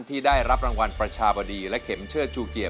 ที่ได้รับรางวัลประชาบดีและเข็มเชิดชูเกียรติ